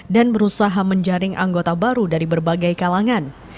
dan berusaha menjaring anggota baru dari berbagai kalangan